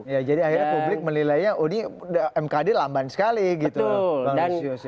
ya jadi akhirnya publik melihatnya oh ini mkd lamban sekali gitu bang lucius ya